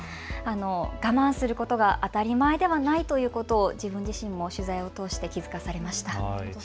我慢することが当たり前ではないということを自分自身も取材を通して気付かされました。